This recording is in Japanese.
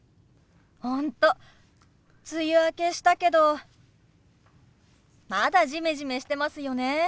本当梅雨明けしたけどまだジメジメしてますよね。